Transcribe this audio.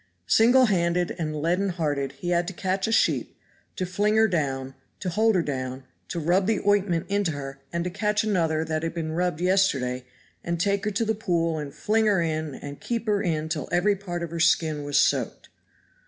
Single handed and leaden hearted he had to catch a sheep, to fling her down, to hold her down, to rub the ointment into her, and to catch another that had been rubbed yesterday and take her to the pool and fling her in and keep her in till every part of her skin was soaked.